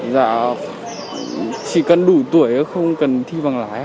dạ chỉ cần đủ tuổi không cần thi bằng lái